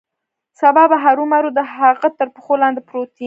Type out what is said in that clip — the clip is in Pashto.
سبا به هرومرو د هغه تر پښو لاندې پروت یې.